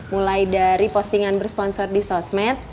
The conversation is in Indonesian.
mulai dari postingan bersponsor di sosmed